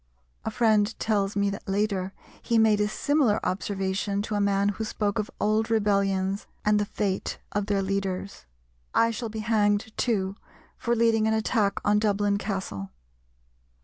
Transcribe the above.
A friend tells me that later he made a similar observation to a man who spoke of old rebellions and the fate of their leaders, "I shall be hanged, too, for leading an attack on Dublin Castle."